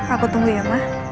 aku tunggu ya ma